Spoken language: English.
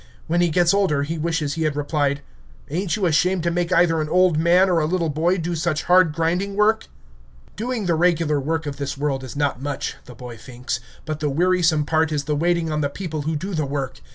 When he gets older, he wishes he had replied, "Ain't you ashamed to make either an old man or a little boy do such hard grinding work?" Doing the regular work of this world is not much, the boy thinks, but the wearisome part is the waiting on the people who do the work.